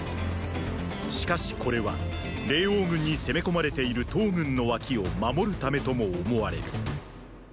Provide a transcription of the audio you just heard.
しかしこれは霊凰軍に攻め込まれている騰軍の脇を守るためとも思われる。